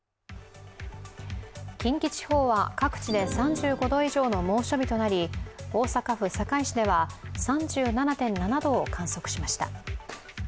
近畿地方は各地で３５度以上の猛暑日となり、大阪府堺市では、３７．７度を観測しました。